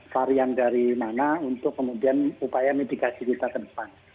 varian dari mana untuk kemudian upaya mitigasi kita ke depan